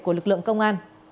của lực lượng công an